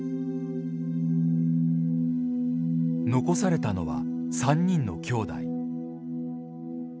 残されたのは３人のきょうだい。